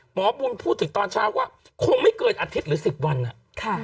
หมอบุญพูดถึงตอนเช้าว่าคงไม่เกินอาทิตย์หรือ๑๐วัน